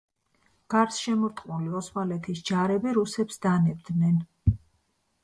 გარსშემორტყმული ოსმალეთის ჯარები რუსებს დანებდნენ.